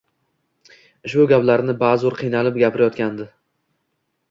Ushbu gaplarni bazo'r qiynalib gapirayotgandi